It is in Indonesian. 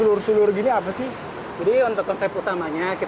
untuk konsep utamanya kita mengambil dari kota ini dan kita membuatnya di sini